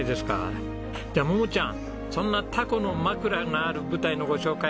じゃあ桃ちゃんそんなタコのまくらがある舞台のご紹介